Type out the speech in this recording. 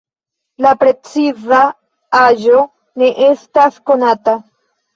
La preciza aĝo ne estas konata.